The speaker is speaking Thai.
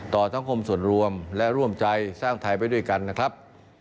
สังคมส่วนรวมและร่วมใจสร้างไทยไปด้วยกันนะครับ